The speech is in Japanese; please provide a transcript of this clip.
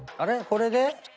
これで。